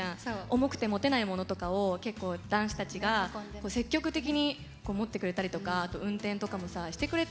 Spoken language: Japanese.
重くて持てないものとかを結構男子たちが積極的に持ってくれたりとかあと運転とかもさしてくれたのよ。